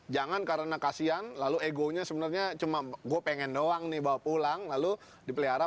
jangan karena kasian lalu egonya sebenarnya cuma gue pengen doang nih bawa pulang lalu dipelihara